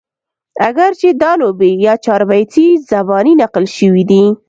اګر چې دا لوبې يا چاربيتې زباني نقل شوي دي